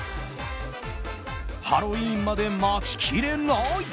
ハロウィーンまで待ちきれない！